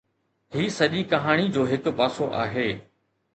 هي سڄي ڪهاڻي جو هڪ پاسو آهي.